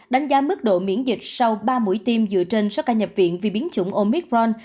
đánh giá mức độ miễn dịch sau ba mũi tiêm dựa trên số ca nhập viện vì biến chủng omicron